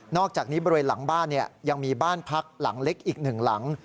อกจากนี้บริเวณหลังบ้านยังมีบ้านพักหลังเล็กอีกหนึ่งหลัง